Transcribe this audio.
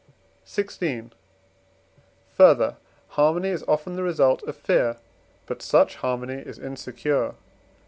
XVI. Further, harmony is often the result of fear: but such harmony is insecure.